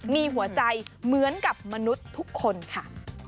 มีหัวใจเหมือนกับมนุษย์ทุกคนค่ะ